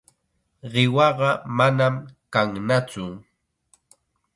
Qiwaqa manam kannatsu.